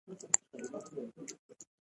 سلیمان غر د افغانستان یوه طبیعي ځانګړتیا ده.